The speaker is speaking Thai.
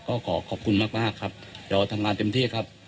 ก็ขอขอบคุณมากมากครับเดี๋ยวว่าทำงานเต็มที่ครับ